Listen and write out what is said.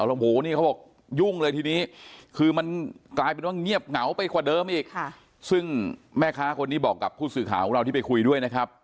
โอ้โหนี่เขาบอกยุ่งเลยทีนี้